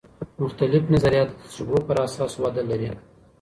مختلف نظریات د تجربو پراساس وده لري.